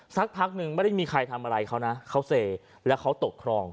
สักพักนึงไม่ได้มีใครทำอะไรเขานะเขาเซแล้วเขาตกครอง